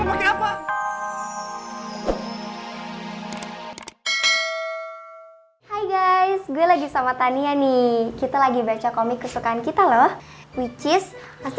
pakai apa hai guys gue lagi sama tania nih kita lagi baca komik kesukaan kita loh which is hasil